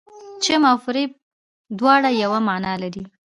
چم او فریب دواړه یوه معنی لري.